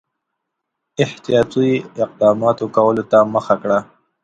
احتیاطي اقداماتو کولو ته مخه کړه.